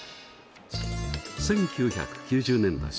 １９９０年代